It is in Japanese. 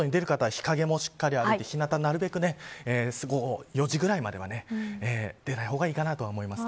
日陰をしっかり歩いて日なたをなるべく４時ぐらいまでは出ない方がいいかなと思います。